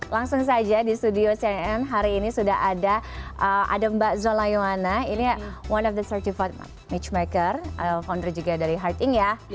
langsung saja di studio cnn hari ini sudah ada mbak zola yowana ini one of the certified matchmaker founder juga dari heart ink ya